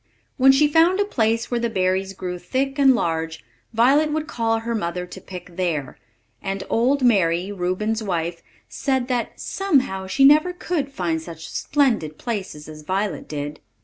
When she found a place where the berries grew thick and large, Violet would call her mother to pick there; and old Mary, Reuben's wife, said that "somehow she never could find such splendid places as Violet did."